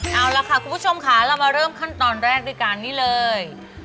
เอาล่ะค่ะคุณผู้ชมค่ะเรามาเริ่มขั้นตอนแรกด้วยกันนี่เลย